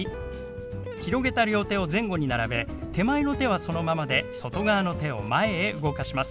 広げた両手を前後に並べ手前の手はそのままで外側の手を前へ動かします。